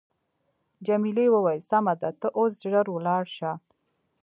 جميلې وويل: سمه ده ته اوس ژر ولاړ شه.